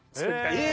え！